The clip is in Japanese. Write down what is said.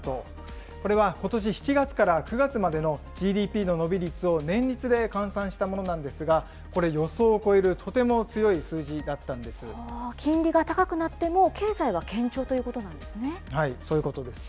これはことし７月から９月までのＧＤＰの伸び率を年率で換算したものなんですが、これ、予想を超金利が高くなっても、経済はそういうことです。